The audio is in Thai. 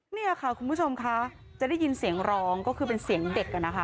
นี่ค่ะคุณผู้ชมค่ะจะได้ยินเสียงร้องก็คือเป็นเสียงเด็กนะคะ